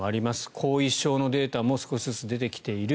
後遺症のデータも少しずつ出てきている。